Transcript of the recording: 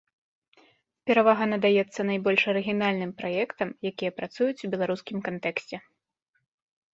Перавага надаецца найбольш арыгінальным праектам, якія працуюць у беларускім кантэксце.